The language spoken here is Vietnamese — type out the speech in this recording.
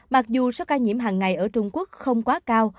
mặc dù số ca nhiễm hàng ngày ở trung quốc không quá cao